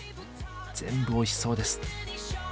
全部おいしそうです。